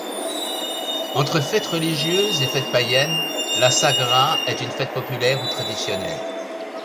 Entre fête religieuse et fête païenne, la Sagra est une fête populaire ou traditionnelle.